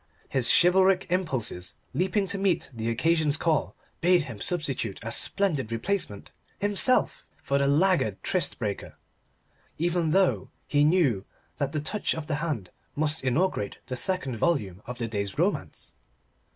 His chivalric impulses, leaping to meet the occasion's call, bade him substitute a splendid replacement himself, for the laggard tryst breaker. Even though he knew that that touch of the hand must inaugurate the second volume of the day's romance.